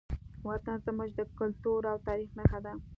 وطن زموږ د کلتور او تاریخ نښه ده.